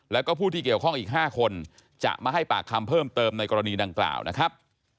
แล้วก็ผู้ที่เกี่ยวข้องอีก๕คนจะมาให้ปากคำเพิ่มเติมในกรณีดังกล่าวนะครับ